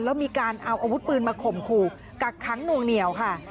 แล้วมีการเอาอาวุธปืนมาข่มขู่กักขังหน่วงเหนียวค่ะ